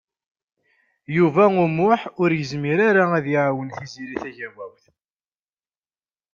Yuba U Muḥ ur yezmir ara ad iɛawen Tiziri Tagawawt.